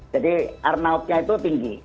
jadi arnautnya itu tinggi